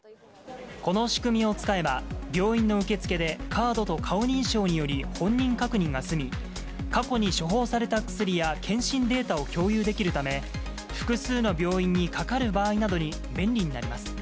この仕組みを使えば、病院の受付で、カードと顔認証により、本人確認が済み、過去に処方された薬や健診データを共有できるため、複数の病院にかかる場合などに、便利になります。